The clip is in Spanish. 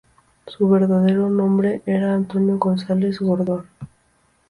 Su verdadero nombre era Antonio González Gordón.